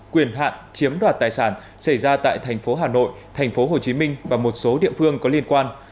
quyền hạn chiếm đoạt tài sản xảy ra tại thành phố hà nội thành phố hồ chí minh và một số địa phương có liên quan